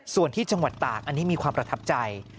ส่วนที่จังหวัดตากอันนี้มีความประทับใจ